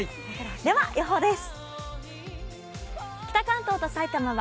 では予報です。